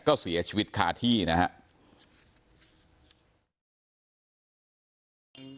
ก็เสียชีวิตขาดที่นะฮะ